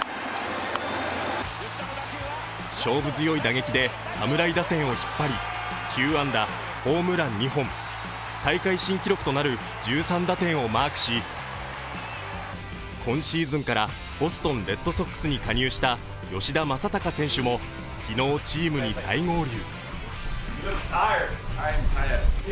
勝負強い打撃で侍打線を引っ張り９安打、ホームラン２本、大会新記録となる１３打点をマークし今シーズンからボストン・レッドソックスに加入した吉田正尚選手も昨日、チームに再合流。